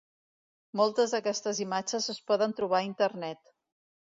Moltes d’aquestes imatges es poden trobar a internet.